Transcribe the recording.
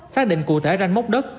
xác định cụ thể ranh mốc đất